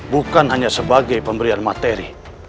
bukan hanya sebagai pemberian materi